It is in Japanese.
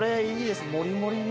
もりもりに。